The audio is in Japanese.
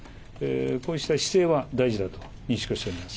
こうした姿勢は大事だと認識をしております。